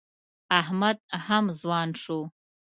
احمد هم ځوان شو.